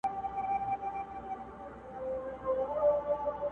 o جنگ، جنگ، جنگ، دوه پله اخته کې، ما ځيني گوښه کې٫